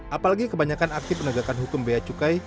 apalagi kebanyakan aksi penegakan hukum bea cukai